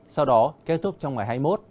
sau đó kết thúc trong ngày hai mươi một